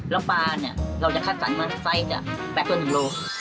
แล้วปลาเนี่ยเราจะคัดสรรค์มา๘๑กิโลเมตร